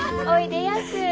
おいでやす。